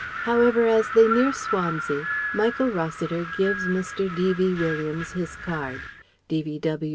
However as they near Swansea, Michael Rossiter gives Mr. D.V. Williams his card (D.V.W.